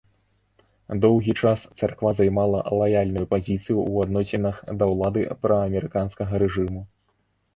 Доўгі час царква займала лаяльную пазіцыю ў адносінах да ўлады праамерыканскага рэжыму.